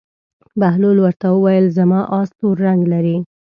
بهلول ورته وویل: زما اس تور رنګ لري.